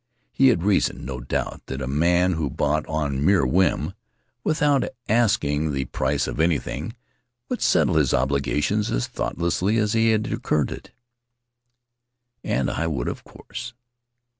He had reasoned, no doubt, that a man who bought on mere whim, without asking the price of anything, would settle his obligation as thought lessly as he had incurred it. And I would of course.